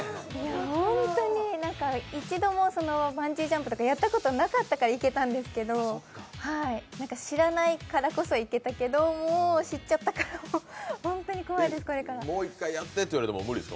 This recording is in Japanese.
ホントに、一度もバンジージャンプとかやったことなかったからいけたんですけど、知らないからこそ行けたけど、もう知っちゃったから、本当にこれから怖いです。